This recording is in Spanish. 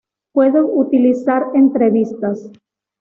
Puede utilizar entrevistas.